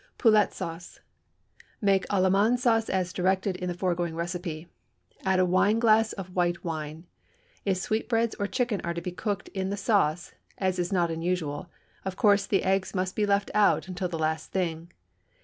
Poulette Sauce. Make Allemande sauce as directed in the foregoing recipe; add a wineglass of white wine. If sweetbreads or chicken are to be cooked in the sauce, as is not unusual, of course the eggs must be left out until the last thing.